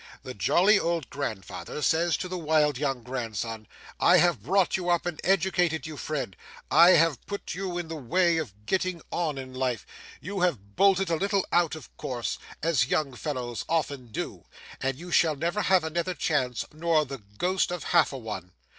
The jolly old grandfather says to the wild young grandson, "I have brought you up and educated you, Fred; I have put you in the way of getting on in life; you have bolted a little out of course, as young fellows often do; and you shall never have another chance, nor the ghost of half a one."